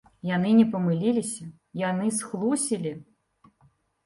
Яны не памыліліся, яны схлусілі!